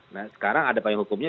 nah sekarang ada payung hukumnya